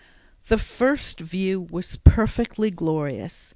The first view was perfectly glorious.